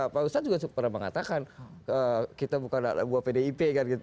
pak ustadz juga pernah mengatakan kita bukan buah pdip kan gitu